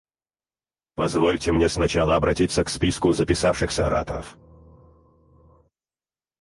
Позвольте мне сначала обратиться к списку записавшихся ораторов.